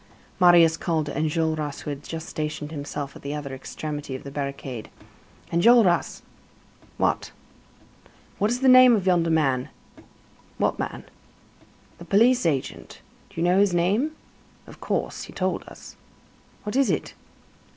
Marius called to Enjolras, who had just stationed himself at the other extremity of the barricade: "Enjolras!" "What?" "What is the name of yonder man?" "What man?" "The police agent. Do you know his name?" "Of course. He told us." "What is it?"